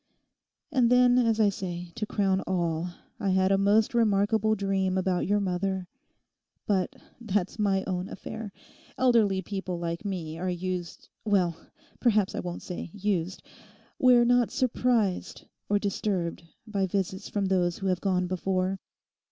And then, as I say, to crown all, I had a most remarkable dream about your mother. But that's my own affair. Elderly people like me are used—well, perhaps I won't say used—we're not surprised or disturbed by visits from those who have gone before.